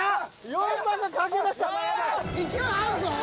４番がかけだした勢いあるぞ・